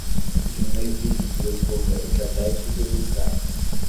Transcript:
Diminui o risco de desenvolver diabetes e obesidade